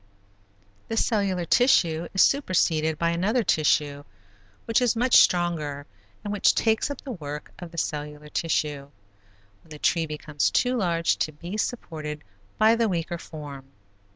This cellular tissue is superseded by another tissue which is much stronger and which takes up the work of the cellular tissue, when the tree becomes too large to be supported by the weaker form.